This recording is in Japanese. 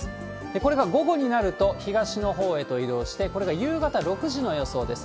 これが午後になると、東のほうへと移動して、これが夕方６時の予想です。